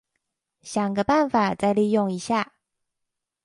想個辦法再利用一下